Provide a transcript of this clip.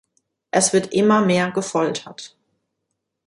Es wird immer mehr gefoltert.